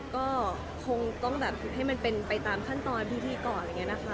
ก็คงต้องแบบให้มันเป็นไปตามขั้นตอนพิธีก่อนอะไรอย่างนี้นะคะ